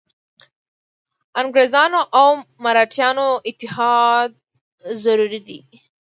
انګرېزانو او مرهټیانو اتحاد ضروري دی.